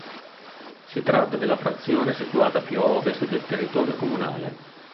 Si tratta della frazione situata più a ovest del territorio comunale.